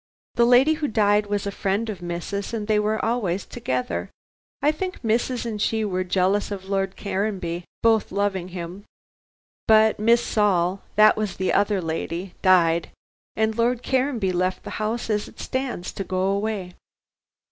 The lady who died was a friend of missus, and they were always together. I think missus and she were jealous of Lord Caranby, both loving him. But Miss Saul that was the other lady died, and Lord Caranby left the house as it stands, to go away."